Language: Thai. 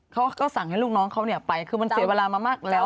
เขาก็สั่งให้ลูกน้องเขาไปคือมันเสียเวลามามากแล้ว